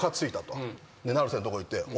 で成瀬のとこ行って。